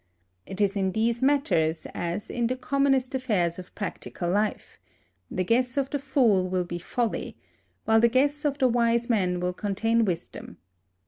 It is in these matters as in the commonest affairs of practical life: the guess of the fool will be folly, while the guess of the wise man will contain wisdom.